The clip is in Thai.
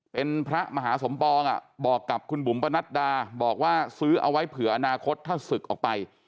เป็นพระมหาสมปองบอกกับคุณบุ๋มปนัดดาบอกว่าซื้อเอาไว้เผื่ออนาคตถ้าศึกออกไป